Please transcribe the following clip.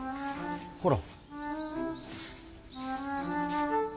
ほら。